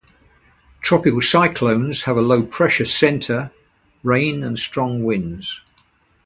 Tropical cyclones have a low pressure center, rain and strong winds.